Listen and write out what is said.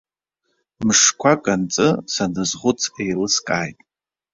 Мшқәак анҵы, саназхәыц еилыскааит.